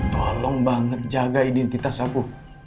tolong banget jaga identitas aku